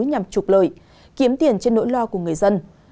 nhằm trục lợi kiếm tiền trên nỗi lo của người dân